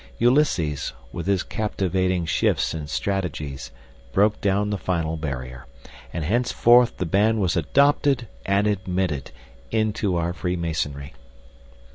Ulysses, with his captivating shifts and strategies, broke down the final barrier, and hence forth the band was adopted and admitted into our freemasonry.